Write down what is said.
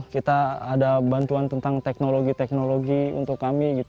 kita ada bantuan tentang teknologi teknologi untuk kami